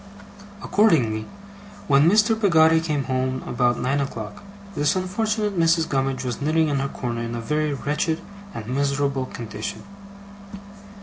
Accordingly, when Mr. Peggotty came home about nine o'clock, this unfortunate Mrs. Gummidge was knitting in her corner, in a very wretched and miserable condition.